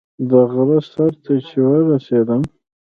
د غره سر ته چې ورسېدم.